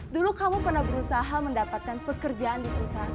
dulu kamu pernah berusaha mendapatkan pekerjaan di perusahaan